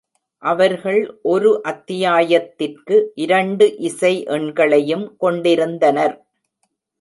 அவர்கள் ஒரு அத்தியாயத்திற்கு இரண்டு இசை எண்களையும் கொண்டிருந்தனர்.